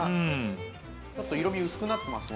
ちょっと色味薄くなってます